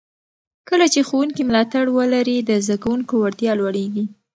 کله چې ښوونکي ملاتړ ولري، د زده کوونکو وړتیا لوړېږي.